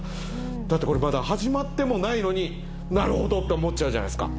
だってこれまだ始まってもないのになるほどって思っちゃうじゃないですか。